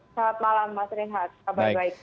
selamat malam mas renhat kabar baik